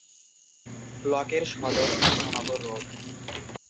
ব্লকের সদর কৃষ্ণনগর রোড।